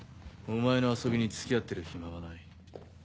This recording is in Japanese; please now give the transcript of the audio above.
お前の遊びに付き合ってる暇はない。